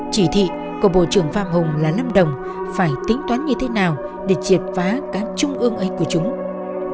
chỉ thị của bộ trưởng phạm hùng là lâm đồng phải tính toán như thế nào để triệt phá cả trung ương ấy của chúng